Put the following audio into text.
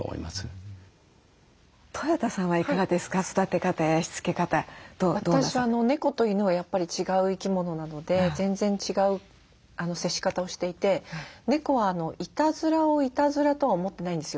私は猫と犬はやっぱり違う生き物なので全然違う接し方をしていて猫はいたずらをいたずらとは思ってないんですよ。